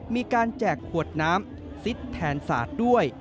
แจกขวดน้ำซิดแทนศาสตร์ด้วย